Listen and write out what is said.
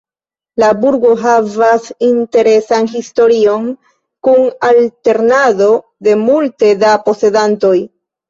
La burgo havas interesan historion kun alternado de multe da posedantoj.